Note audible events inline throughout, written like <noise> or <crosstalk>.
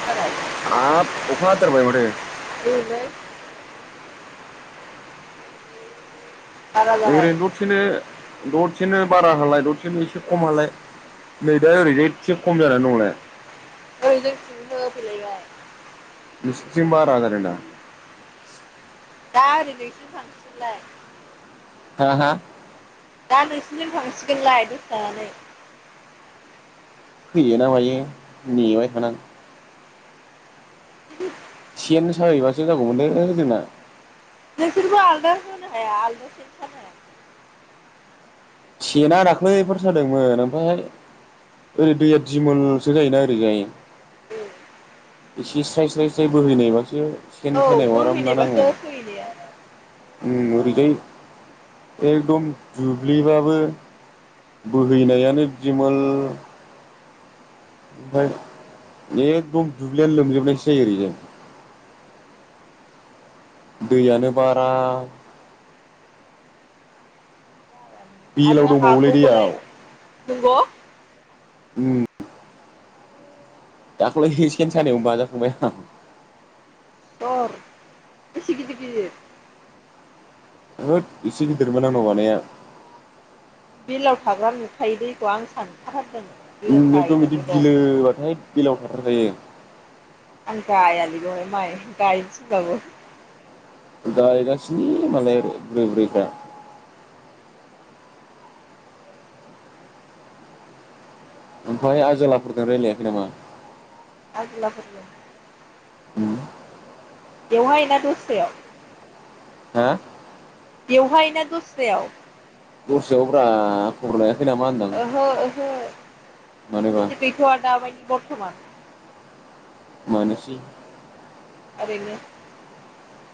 <unintelligible> हाब अखाहाथारबाय माथो। <unintelligible> बारा जाबाय ओरैनो दसेनो दसेनो बारा हालाय दसेनो एसे खम हालाय। नै दा ओरैजाय एसे खम जानानै दंलाय। <unintelligible> नोंसिनिथिं बारा जादों दा। दा ओरै नोंसिनिथिं <unintelligible> हा हा दा नोंसिनिजों थांसिगोनलाय दसे थानानै। फैयोना मायो नेबाय थानां। <inaudible> सेन साहैबासो जागौमोन बे जोंना। नोंसोरखौ आलादा होनो हाया आलादा सेन साना। सेना दाख्लैफोर सादोंमोन ओमफ्रायहाय ओरै दैया दिमोलसो जायोना ओरै जाय ए। एसे स्राय स्राय स्राय बोहैनायबासो सेन औ सानायाव आराम ना नाङो। बोहैनायबासो फैनाया ओम ओरैजाय एकदम दुब्लिबाबो। बोहैनायानो दिमोल। ओमफ्राय एखदम दुब्लियानो लोमजोबनायसो जायो ओरैजाय। दैयानो बारा। बेलाव आरो दंबावोलै दैयाव हाखौबोलाय नंगौ उम। दाख्लै सेन सानायाव बाजाखांबाय आं। अ'। <unintelligible> होद इसे गिदिरमोन आंनाव बानाया। बेलाव थाग्रा नुखायो दैखौ आं सानखाथारदों। ओम एकदम बिदि बिलोबाथाय बेलाव थाथारखायो। आं गायालै बेवहाय माय गायनो थिनबाबो। गायगासिनो मालाय बुरि बुरिफ्रा। ओमफ्राय आजोलाफोरजों रायज्लायाखै नामा? आजोलाफोरजों उम। बेवहाय ना दस्रायाव? हो? बेवहाय ना दस्रायाव दस्रायाव ब्रा खबर लायाखै नामा होनदां ओहो ओहो मानोबा <unintelligible> दाबायदि बर्थमान मानोसै ओरैनो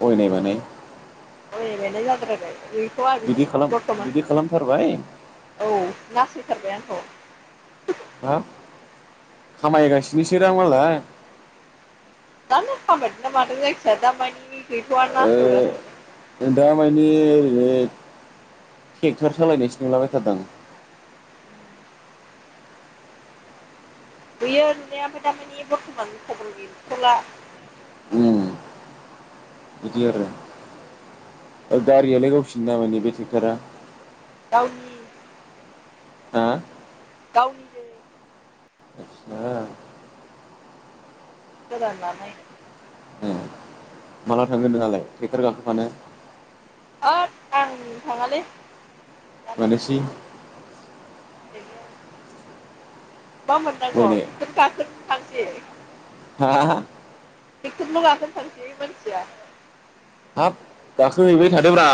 अयनाय बानाय अयनाय बानाय जाद्रायबाय गैथया बिदि खालाम बरथमान बिदि खालामथारबाय औ नासयथारबाय आंखौ हो खामायगासिनोसोदां मालाय जानो खामायदोंना मादों जायखिया दामानि गैथ'वा नासयगासिनो ओ दा मानि ओरैनो ट्रेक्ट'र सालायनायसो नुलाबायथारदां नुयो नुनाया ओम्फ्राय दामानि बर्थमान खबर गैथ'ला ओम बिदि आरो ओ गारियालाय गावसिनिना माानि बे ट्रेक्ट'रा गावनि हा? गावनिनो आस्सा गोदान लानाय ए माला थांगोन नोंहालाय ट्रेक्ट'र गाखोफानो <unintelligible> आं थाङालै दानो मानोसै <unintelligible> मा मोननांगौ बायनो <unintelligible> गाखोनो थांसै <unintelligible> टेक्टरल' गाखोनो थांसै मानसिया हाब गाखो हैबाय थादोब्रा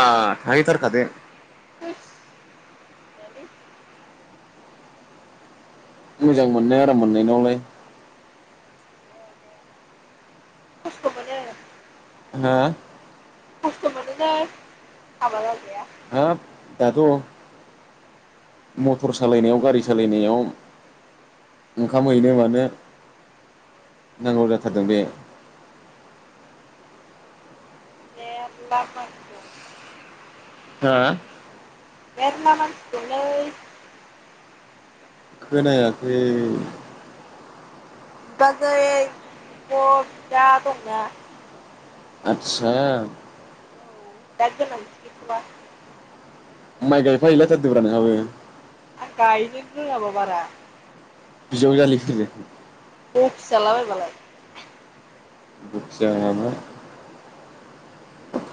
थाहैथारखादो <unintelligible> मोजां मोननाय आराम मोननायनावलाय जाया जाया खस्थ' मोनो हा? खस्थ' मोनोलै हाबा जाजाया। हाब दाथ' मटर सालायनायाव गारि सालायनायाव ओंखाम हैनो मानो नांगौ जाथारदों बे <unintelligible> हो? मेरला मानसि दंलै खोनायाखै बिबाजै बिब' बिदा दंना आतसा औ दा गोनांथि गैथवा माइ गायफा हैलायथारदोब्रा नोंहाबो आं गायनोनो रोङाबा बारा बिजाव जालिफोरजों बखिजाला बायबालाय बखिजायामा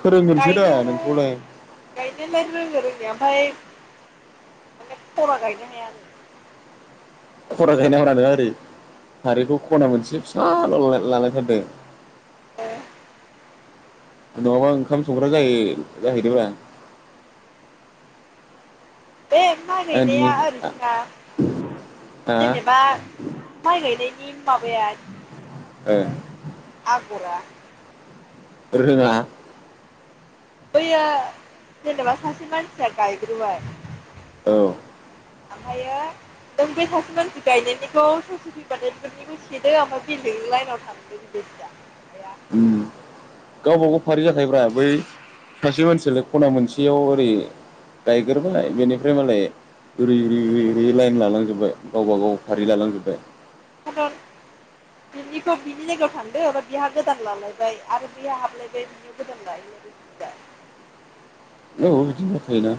फोरोंगोनसो दा गायनायालाय नोंखौलाय गायनोलाय रोङो रोंनाया ओमफाय खरा गायनो हाया आरो खरा गायनाङाब्रा नोङो ओरै फारिखौ खना मोनसे फिसाल' लालायथारदों ओ नङाबा ओंखाम संग्रा जाहै जाहैदोब्रा बे माय आं गैनाया दिनै ओरैसा ना हा जेनेबा माय गायनायनि माबाया मा ओ होनोमोनलाय आगरा रोङा बैयो जेनेबा सासे मानसिया गायग्रोबाय औ आमफायो नों बे सासे मानसि गायनायनिखौ ससे फैबानो बेफोरनिखौ सेदो ओमफ्राय बेलेगनि लाइनाव थांदो। <unintelligible> उम गावबागाव फारि जाखायोब्रा बै। सासे मानसियालाय खना मोनसेयाव ओरै गायग्रोबालाय बेनिफ्राय मालाय। ओरै ओरै ओरै लाइन लालांजोबबाय गावबागाव फारि लालांजोब्बाय। <unintelligible> बिनिखौ बिनि जायगायाव थांदो ओमफ्राय बिहा गोदान लालायबाय आरो बिहा हाबलायबाय। <unintelligible> औ बिदिनो गायखायोना।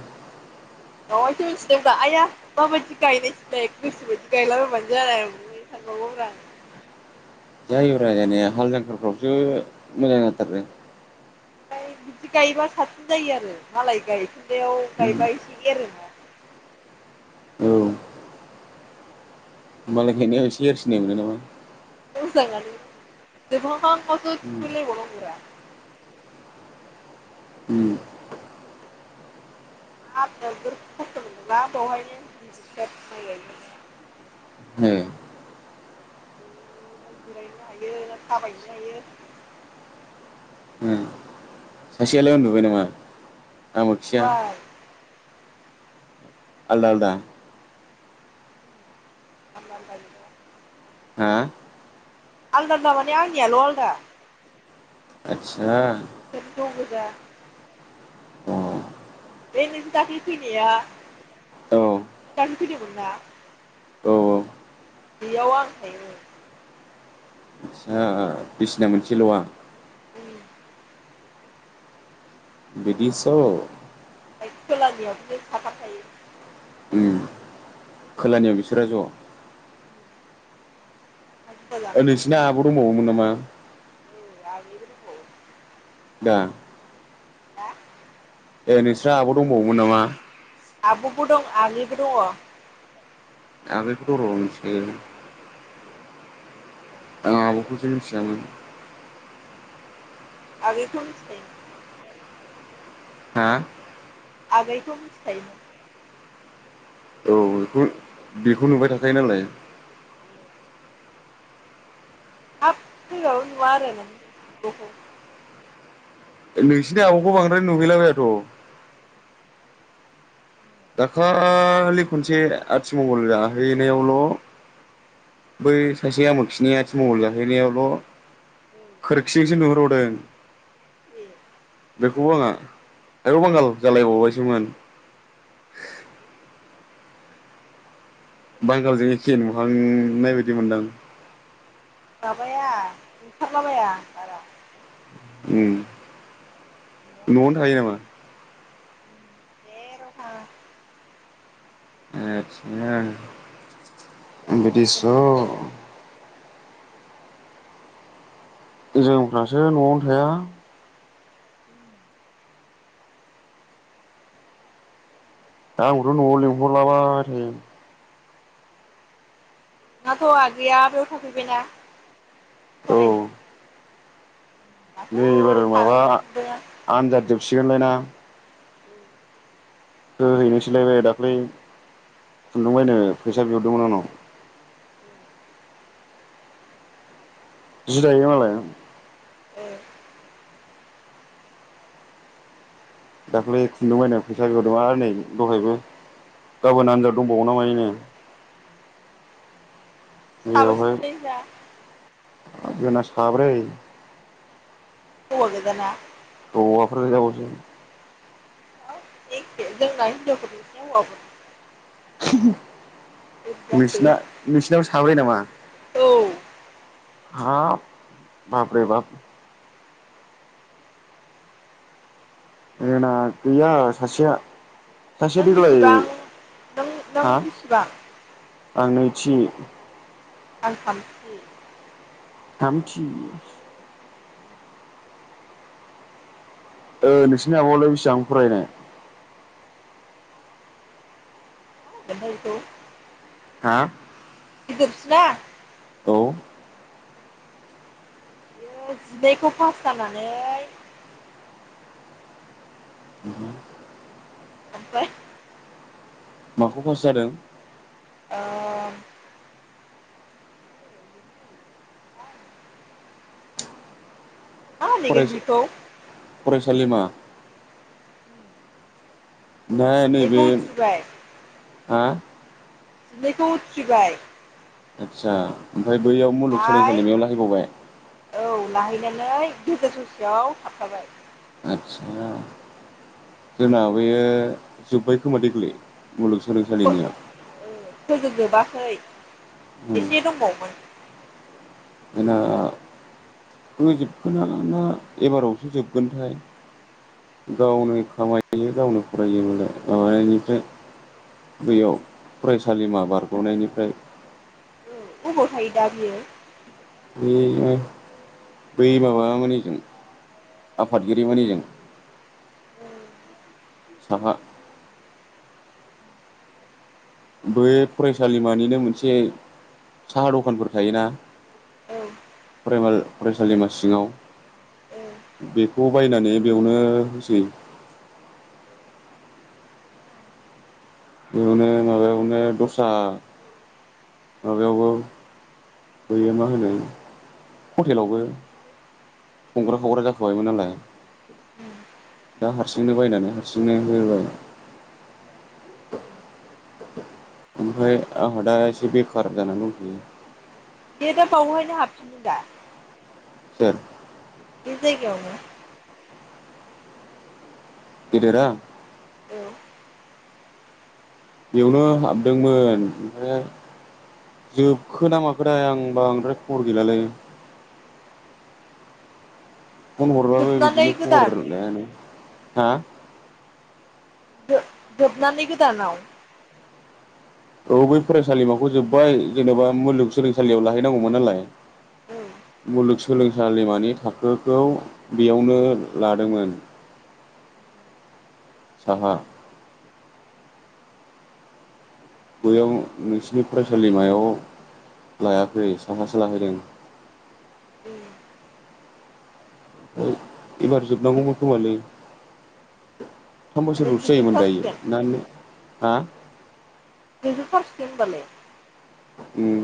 दावायथ' मिसनोबा आइया माबायदि गायनाय फुनाय गोसो बायदि गायलाबाय। बानो जानाय बिखौनो सानबावोब्रा आंङो। जायोब्रा जानाया हाल जांख्राफोरावसो मोजां जाथारदों ओमफ्राय बिदि गायोबा साबसिन जायो आरो मालाय गायफिननायाव गायबा एसे एरोनो। औ। मालाय गायनायाव एसे एरसिननाय मोनो नामा। मोजाङानो जोबहां हां आवसो उम थुहैलायबाव नांगौब्रा उम। <unintelligible> ओ जिरायनोबो हायो थाबायनोबो हायो। उम सासेयालाय उन्दुबाय नामा आमो खिया। बाय आलदा आलदा। <unintelligible> हा आलदा आलदा माने आंनियाल' आलदा। आतसा। सोब दं गोजा अ। बे नोंसोर दाख्लै फैनाया औ दाख्लैनो फैदोंमोनना अ' बेयाव आं थायो। फिसा बिसिना मोनसेल'आ उम ओमफ्राय बिदिस' ओमफ्राय खोलानियाव बिसोरो साथाम थायो। उम खोलानियाव बिसोरा ज'। खोला ओ नोंसोरना आब दंबावोमोन नामा‌? औ आगैबो दंबावो। ना। हा ए नोंस्रा आब' दंबावोमोन नामा? आब'बो दं आगैबो दङ'। आगैखौथ' र' मोन्थिखायो। आं आब'खौसो मिथियामोन। आगैखौ मिथिखायो। हा आगैखौ मिथिखायोमोन औ बेखौ बेखौ नुबाय थाखायो नालाय ए हाब फैबाबो नुवा आरो नों बिब'खौ नोंसिनि आब'खौ बांद्राय नुहैलाबायाथ' दाखालि खनसे आथिमंगल जाहैनायावल' बै सासे आमोखिनि आथि मंगल जाहैनायावल' उम खोरखिजोंसो नुहुरबावदों ए बेखौबो आंहा आइयौ बांगाल जालायबावबायसोमोन बांगालजों एखे नुहांनाय बायदि मोनदां माबाया ओंखारलाबाया बारा उम न'आवनो थायो नामा? जेरावबो थाङा ए‌ आदसा एम्बुसो बिदिसो जोंफ्रासो न'आवनो थाया दा आंखौथ' न'आव लिंहरलाबाय थायो नोंहाथ' आगैया बेयाव थाफैबायना फरायनो औ नै दाख्लै एबार माबा थांदों आं आनजाद जोबसिगोनलायना होहैनोसैलाय बे दाख्लै खुन्दुंबायनो फैसा बिहरदोंमोन आंनाव जि दायो मालाय औ दाख्लै खुन्दुं बायनायाव फैसा बिहरदों आरो नै दहायबो गाबोन आनजाद दंबावो ना मायोनो साबैसे बेयावहाय मोनलाय नोंस्रा जोंना साब्रै हौवा गोजाना हौवाफोर हिनजावफोरजों <unintelligible> बोरै जाखो नोंसिना नोंसिनावो साब्रै नामा? औ हाप बाबरे बाब। जोंना गैया सासेया। सासेया नों देग्लाय बेसेबां नों नों हा बेसेबां आं नैथि। आं थामथि। थामथि। ओ नोंसिनि आबआलाय बेसेबां फरायनाय। <unintelligible> हा। गिदिरसिना। औ। बियो जिनैखौ पास जानानै <unintelligible> ओमफ्राय। माखौ पास जादों? ओ मा होनगोन फरायसा बेखौ फरायसालिमा? ना नैबे जिनैखौ उथ्रिबाय हा जिनैखौ उथ्रिबाय। आदसा ओमफ्राय बैयाव मुलुग ओमफ्राय सोलोंसालिनियाव लाहैबावबाय। औ लाहैनानै गेजेर ससेयाव थाबथाबाय। आदसा। जोंना बेयो जोब्बाय खोमा देग्लाय मुलुगसोलोंसालिनिया। फोजोबजोबाखै उम एसे दंबावोनमोन। जोंना फोजोबखोना एबारावसो जोबगोनथाय? गावनो खामायो गावनो फरायोयो मालाइ माबनिफ्राय बैयाव फरायसालिमा बारग'नायनिफ्राय। ओबाव थायो दा बियो बे बै माबामोननिजों आफादगिरिमोननिजों साहा। बे फरायसालिमानिनो मोनसे साहा दखानफोर थायोना। औ फरायसालिमा सिङाव। औ बेखौ बायनानै बेयावनो होसै। बेयावनो माबायावनो दस्रा माबायावबो बैयो मा होनो हटेलावबो संग्रा खावग्रा जाखोबायमोन नालाय दा हारसिंनो बायनानै हारसिंनो होबाय। ओमफ्राय आंहादा एसे बेखार जानानै दंथयो। बे दा बावहायनो हाबफिननो दा। ओं। बि जायगावनो। गिदिरा? औ बेयावनो हाबदोंमोन ओमफ्राय जोबखो ना माखो थाय आं बांद्राय खबर गैलालै। फन हरबाबो जोबनानै बिदिनो खबर गोदान लाया नो। जोबनानै गोदानाव। औ बै फरायसालिमाखौ जोब्बाय जेन'बा मुलुगसोलोंसालियाव लाहैनांगौमोन नालाय। औ मुलुगसोलोंसालिमानि थाखोखौ बेयावनो लादोंमोन साहा बैयाव नोंसिनि फरायसालिमायाव लायाखै साहासो लाहैदों। <inaudible> ओइ एबार जोबनांगौमोन खोमालै। थाम बोसोरावसो जायोमोन दायो जोबजोबथारसिगोन ना नों हा? जोबजुब थारसिगोन होनबालाय। उम।